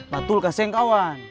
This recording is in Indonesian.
batul kan seng kawan